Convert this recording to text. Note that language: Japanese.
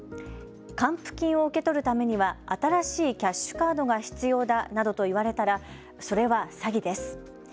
還付金を受け取るためには新しいキャッシュカードが必要だなどと言われたらそれは詐欺です。